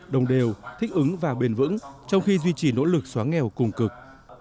đồng đều thích ứng và bền vững trong khi duy trì nỗ lực xóa nghèo cùng cực